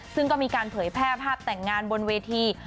ซึ่งก็มีการเผยแพร่ภาพแต่งงานบนเวที